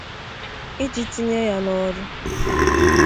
iji tinye ya n'ọrụ